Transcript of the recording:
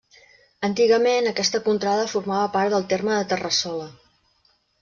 Antigament aquesta contrada formava part del terme de Terrassola.